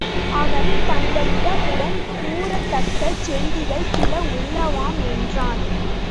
அவன் தங்களிடம் உடன் கூறத்தக்க செய்திகள் சில உளவாம் என்றான்.